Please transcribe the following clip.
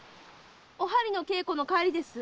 お針の稽古の帰りです。